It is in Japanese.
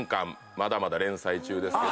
まだまだ連載中ですけど。